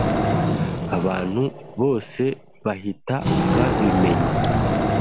abantu bose bahita babimenya